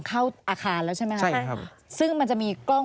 เขาก็เลยเฌะก็เข้าที่ท้อง